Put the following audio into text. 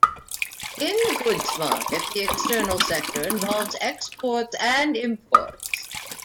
In the goods market, the external sector involves exports and imports.